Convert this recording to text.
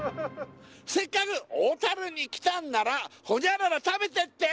「せっかく小樽に来たんなら○○食べてって！」